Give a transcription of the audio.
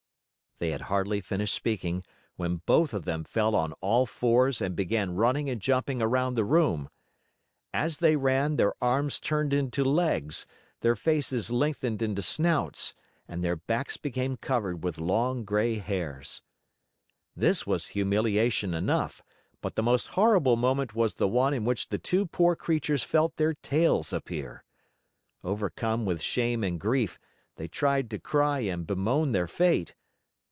They had hardly finished speaking, when both of them fell on all fours and began running and jumping around the room. As they ran, their arms turned into legs, their faces lengthened into snouts and their backs became covered with long gray hairs. This was humiliation enough, but the most horrible moment was the one in which the two poor creatures felt their tails appear. Overcome with shame and grief, they tried to cry and bemoan their fate.